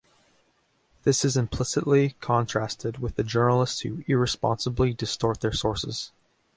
This is implicitly contrasted with the journalists who irresponsibly distort their sources.